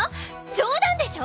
冗談でしょ！？